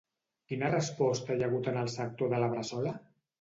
Quina resposta hi ha hagut en el sector de la Bressola?